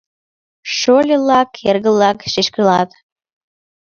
— Шольылак, эргылак, шешкылак!